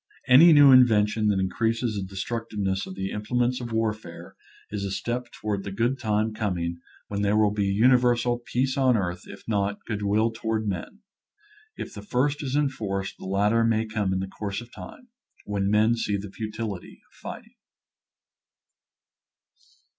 Any new invention that increases the de etructiveness of the implements of warfare is a step toward the good time coming when / I . Original from UNIVERSITY OF WISCONSIN firing a Shot. 243 there will be universal " peace on earth " if not " good will toward men." If the first is en forced, the latter may come in the course of time, when men see the futility of fighting.